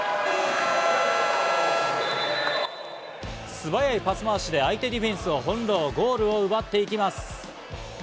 素早いパス回しで相手ディフェンスを翻弄、ゴールを奪っていきます。